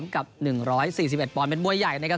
๑๔๓กับ๑๔๑ปอนเป็นมัวใหญ่นะครับ